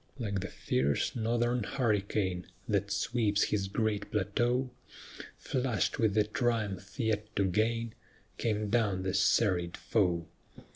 Like the fierce northern hurricane That sweeps his great plateau, Flushed with the triumph yet to gain, Came down the serried foe.